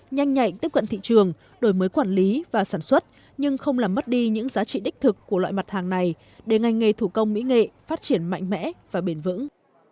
nhanh nhạy tiếp cận thị trường đổi mới quản lý và sản xuất nhưng không làm mất đi những giá trị đích thực của loại mặt hàng này để ngành nghề thủ công mỹ nghệ phát triển mạnh mẽ và bền vững